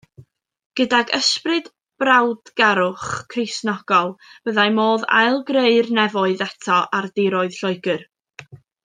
Gydag ysbryd brawdgarwch Cristionogol byddai modd ail greu'r nefoedd eto ar diroedd Lloegr.